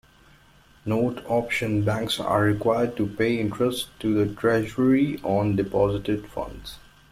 Note option banks are required to pay interest to the Treasury on deposited funds.